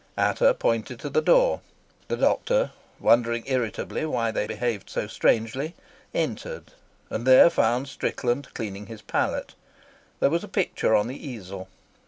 Ata pointed to the door. The doctor, wondering irritably why they behaved so strangely, entered, and there found Strickland cleaning his palette. There was a picture on the easel.